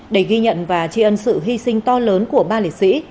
để ghi nhận và tri ân sự hy sinh to lớn của ba liệt sĩ